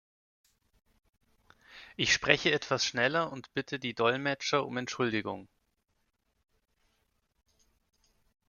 Ich spreche etwas schneller und bitte die Dolmetscher um Entschuldigung.